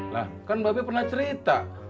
lah kan bapak pernah cerita